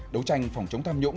đấu tranh phòng chống tham nhũng